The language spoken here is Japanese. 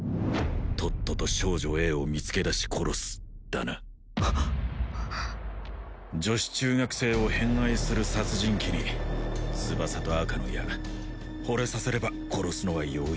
とっとと少女Ａを見つけだし殺すだな女子中学生を偏愛する殺人鬼に翼と赤の矢ホレさせれば殺すのは容易